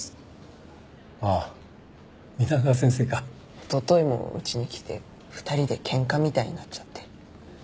おとといも家に来て２人で喧嘩みたいになっちゃって。